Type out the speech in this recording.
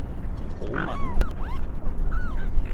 好炆？